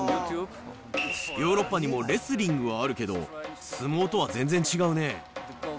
ヨーロッパにもレスリングはあるけど、相撲とは全然違うね。